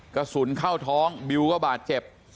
กระสุนเข้าท้องบิวก็บาดเจ็บ